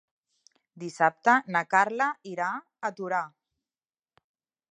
Dissabte na Carla irà a Torà.